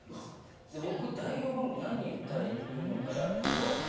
僕代表番組何言ったらいいのかなと思って。